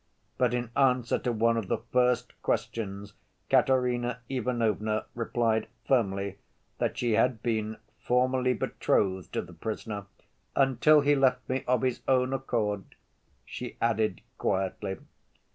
But in answer to one of the first questions Katerina Ivanovna replied firmly that she had been formerly betrothed to the prisoner, "until he left me of his own accord..." she added quietly.